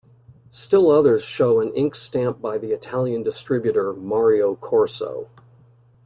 Still others show an ink stamp by the Italian distributor "Mario Corso".